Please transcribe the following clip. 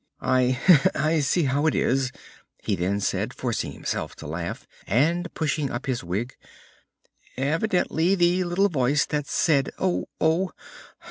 "I see how it is," he then said, forcing himself to laugh, and pushing up his wig; "evidently the little voice that said 'Oh! oh!'